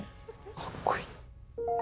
かっこいい。